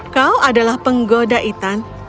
kau adalah penggoda ethan